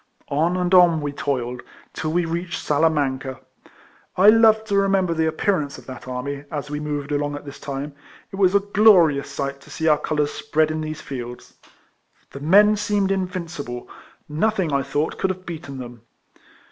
On and on we toiled, till we reached Salamanca. I love to remember the appearance of that army, as we moved along at this time. It was a glorious sight to see our colours spread in these fields. The men seemed invincible ; nothing, I thought, could have beaten them.